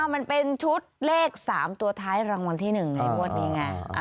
มันเป็นชุดเลข๓ตัวท้ายรางวัลที่๑ในงวดนี้ไง